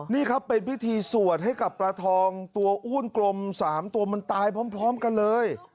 นี่ครับเป็นพิธีสวดให้กับปลาทองตัวอ้วนกลม๓ตัวมันตายพร้อมกันเลย